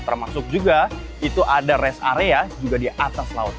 termasuk juga itu ada rest area juga di atas laut